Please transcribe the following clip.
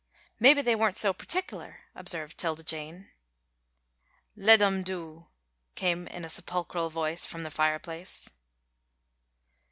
"Mebbe they weren't so partickler," observed 'Tilda Jane. "Let um do!" came in a sepulchral voice from the fireplace.